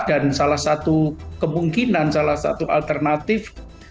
dan salah satu kemungkinan salah satu alternatif